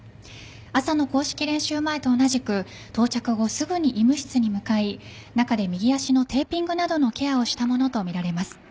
朝の公式練習前と同じく到着後、すぐに医務室に向かい中で右足のテーピングなどのケアをしたものとみられます。